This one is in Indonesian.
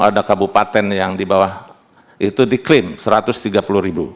ada kabupaten yang di bawah itu diklaim satu ratus tiga puluh ribu